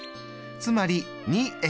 つまり２。